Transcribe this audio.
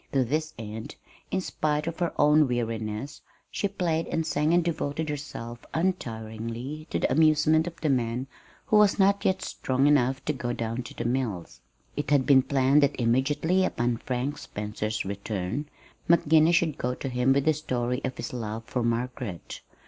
To this end, in spite of her own weariness, she played and sang and devoted herself untiringly to the amusement of the man who was not yet strong enough to go down to the mills. It had been planned that immediately upon Frank Spencer's return, McGinnis should go to him with the story of his love for Margaret.